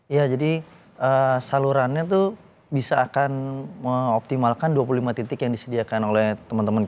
iya jadi salurannya itu bisa akan mengoptimalkan dua puluh lima titik yang disediakan oleh teman teman kita